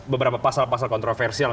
beberapa pasal pasal kontroversial